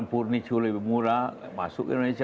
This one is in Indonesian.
purnicu lebih murah masuk ke indonesia